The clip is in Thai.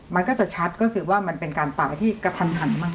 มันก็จะชัดก็คือว่ามันเป็นการตายที่กระทันหันมาก